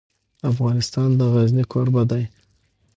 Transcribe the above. افغانستان د غزني کوربه دی.